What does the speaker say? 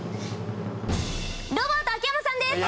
ロバート秋山さんです！